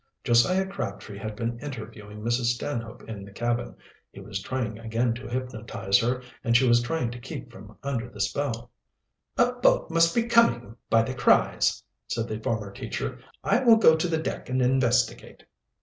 Josiah Crabtree had just been interviewing Mrs. Stanhope in the cabin. He was trying again to hypnotize her, and she was trying to keep from under the spell. "A boat must be coming, by the cries," said the former teacher. "I will go to the deck and investigate."